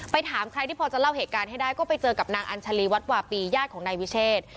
ถามใครที่พอจะเล่าเหตุการณ์ให้ได้ก็ไปเจอกับนางอัญชาลีวัดวาปีญาติของนายวิเชษ